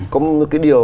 có một cái điều